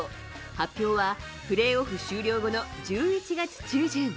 発表はプレーオフ終了後の１１月中旬。